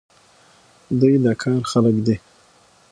دوی د کار خلک دي.